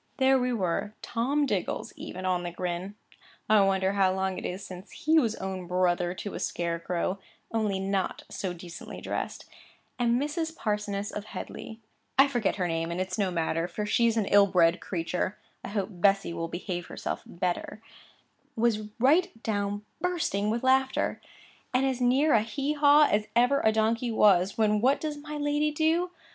There we were, Tom Diggles even on the grin (I wonder how long it is since he was own brother to a scarecrow, only not so decently dressed) and Mrs. Parsoness of Headleigh,—I forget her name, and it's no matter, for she's an ill bred creature, I hope Bessy will behave herself better—was right down bursting with laughter, and as near a hee haw as ever a donkey was, when what does my lady do?